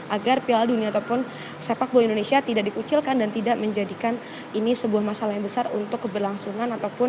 agar piala dunia ataupun sepak bola indonesia tidak dikucilkan dan tidak menjadikan ini sebuah masalah yang besar untuk keberlangsungan ataupun